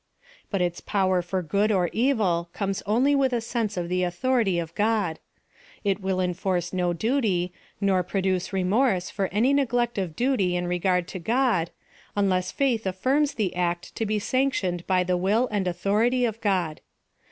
Bat its power for good oi evil comes only with a sense of the authority of God. It will enforce no di^ty, nor pro luce remorse for any neglect of duty in regard to God, unless faith affirms the act to be sanctioned by the will and authority of God.